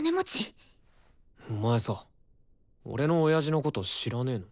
お前さ俺の親父のこと知らねの？